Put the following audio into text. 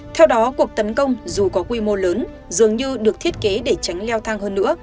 theo đó cuộc tấn công dù có quy mô lớn dường như được thiết kế để tránh leo thang hơn nữa